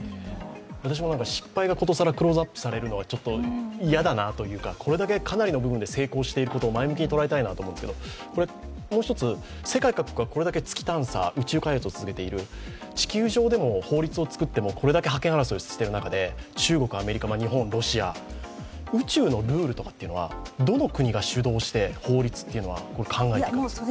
私も失敗がことさらクローズアップされるのは嫌だなというかこれだけかなりの部分で成功していることを前向きに捉えたいなと思うんですけど、もう一つ、世界各国がこれだけ月探査、宇宙開発を進めている、地球上でも法律をつくってもこれだけ覇権争いをしている中で中国、アメリカ、日本、ロシア、宇宙のルールというのはどの国が主導して法律は考えるんでしょうか？